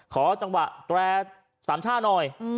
ขอจังหวะแตรสามช่าหน่อย